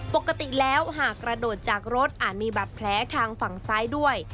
ปกติแล้วหากกระโดดจากรถอาจมีบัตรแผลทางฝั่งซ้ายด้วย